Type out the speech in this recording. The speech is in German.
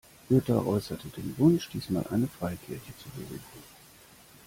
Jutta äußerte den Wunsch, diesmal eine Freikirche zu besuchen.